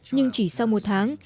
nhưng chỉ sau một tháng